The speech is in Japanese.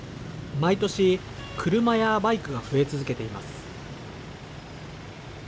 毎年車やバイクが増え続けています。